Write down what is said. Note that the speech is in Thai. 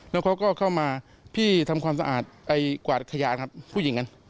แล้วเขาก็เข้ามาพี่ทำความสะอาดกวาดขยะครับผู้หญิงกัน